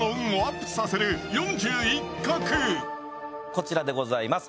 こちらでございます。